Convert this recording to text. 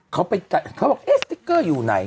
เขาไปเขาบอกเอ๊ะสติ๊กเกอร์อยู่ไหน